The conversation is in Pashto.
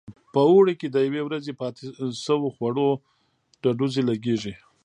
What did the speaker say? په اوړي کې د یوې ورځې پاتې شو خوړو ډډوزې لګېږي.